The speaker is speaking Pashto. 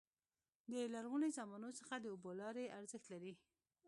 د لرغوني زمانو څخه د اوبو لارې ارزښت لري.